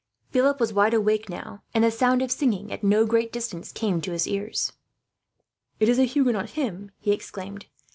Philip was wide awake now, and the sound of singing, at no great distance, came to his ears. "It is a Huguenot hymn," he exclaimed.